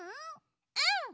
うん！